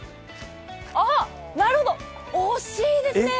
あ、なるほど、惜しいですね。